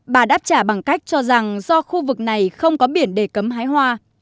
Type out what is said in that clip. bà đáp trả bằng cách cho rằng do khu vực này không có biển để cấm hái hoa